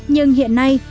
nhưng hiện nay